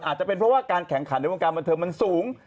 อาจจะเป็นเพราะว่าการแข่งขันในวงการบันเทิงมันสูง